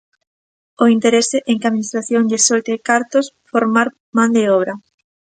O interese en que a administración lles solte cartos formar man de obra.